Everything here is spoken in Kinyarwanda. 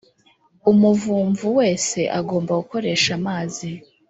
Umuvumvu wese agomba gukoresha amazi